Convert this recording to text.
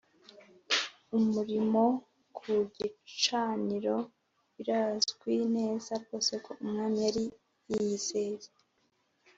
umurimo ku gicaniro Birazwi neza rwose ko Umwami yari yiyizeye